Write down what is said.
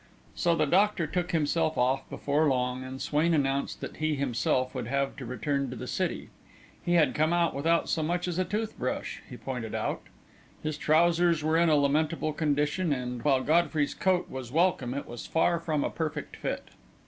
So the doctor took himself off, before long, and Swain announced that he himself would have to return to the city. He had come out without so much as a tooth brush, he pointed out; his trousers were in a lamentable condition, and, while Godfrey's coat was welcome, it was far from a perfect fit.